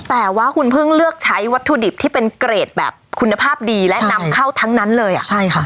แต่ว่าคุณเพิ่งเลือกใช้วัตถุดิบที่เป็นเกรดแบบคุณภาพดีและนำเข้าทั้งนั้นเลยอ่ะใช่ค่ะ